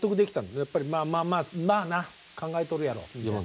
やっぱりまあまあまあな考えとるやろみたいな。